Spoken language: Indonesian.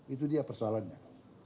itu dia persoalannya